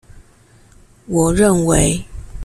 我認為